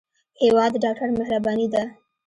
هېواد د ډاکټر مهرباني ده.